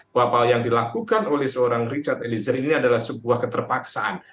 bahwa apa yang dilakukan oleh seorang richard eliezer ini adalah sebuah keterpaksaan